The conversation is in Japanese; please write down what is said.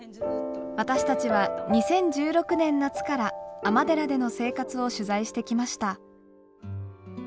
私たちは２０１６年夏から尼寺での生活を取材してきました。